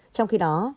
trong khi đó